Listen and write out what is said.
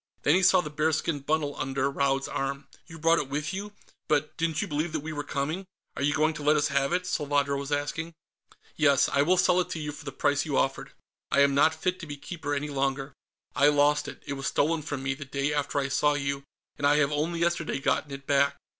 Then he saw the bearskin bundle under Raud's arm. "You brought it with you? But didn't you believe that we were coming?" "Are you going to let us have it?" Salvadro was asking. "Yes; I will sell it to you, for the price you offered. I am not fit to be Keeper any longer. I lost it. It was stolen from me, the day after I saw you, and I have only yesterday gotten it back.